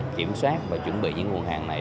kiểm soát và chuẩn bị những nguồn hàng này